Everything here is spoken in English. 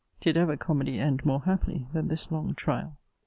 Did ever comedy end more happily than this long trial?